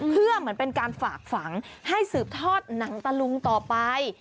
เพื่อเหมือนเป็นการฝากฝังให้สืบทอดหนังตะลุงต่อไป